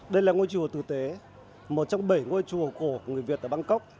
đây là ngôi chùa tử tế một trong bảy ngôi chùa cổ của người việt ở bangkok